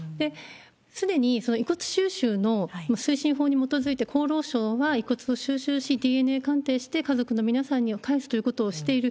すでにその遺骨収集の推進法に基づいて、厚労省は遺骨を収集し、ＤＮＡ鑑定して、家族の皆さんに返すということをしている。